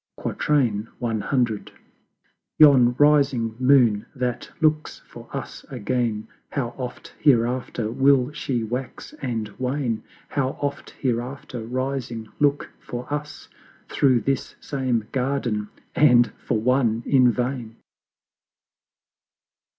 C. Yon rising Moon that looks for us again How oft hereafter will she wax and wane; How oft hereafter rising look for us Through this same Garden and for one in vain!